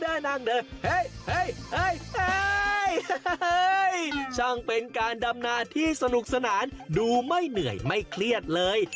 ช่างเป็นการดำนาที่สนุกสนานดูไม่เหนื่อยไม่เครียดเลย